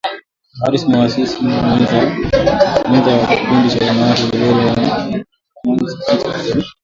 Harris muasisi mwenza wa Kikundi cha Wanawake Liberia na kama msimamizi wa kijamii